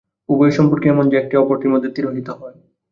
উভয়ের সম্পর্ক এমন যে, একটি অপরটির মধ্যে তিরোহিত হয়।